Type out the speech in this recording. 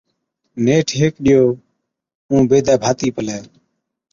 نيٺ هيڪ ڏِيئو اُون بيدَي ڀاتِي پلَي